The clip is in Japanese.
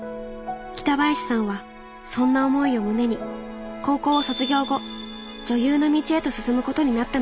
北林さんはそんな思いを胸に高校を卒業後女優の道へと進むことになったのです。